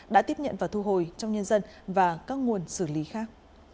đã tiếp nhận và thu hồi trong nhân dân và các nguồn xử lý khác